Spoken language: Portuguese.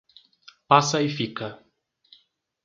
Passa-e-Fica